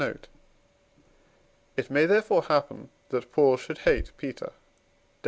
note); it may therefore happen that Paul should hate Peter (Def.